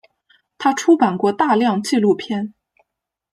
他出版过大量纪录片。